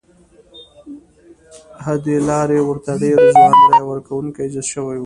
ه دې لارې ورته ډېر ځوان رایه ورکوونکي جذب شوي وو.